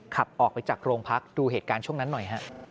ขับออกไปจากโรงพักดูเหตุการณ์ช่วงนั้นหน่อยฮะ